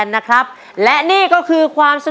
น้องไมโครโฟนจากทีมมังกรจิ๋วเจ้าพญา